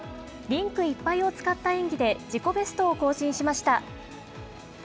リンクいっぱいを使った演技で、自己ベストを更新しました。